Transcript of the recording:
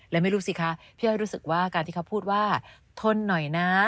และไม่รู้สิคะพี่อ้อยรู้สึกว่าการที่เขาพูดว่าทนหน่อยนะ